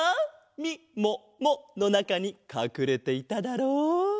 みもものなかにかくれていただろう。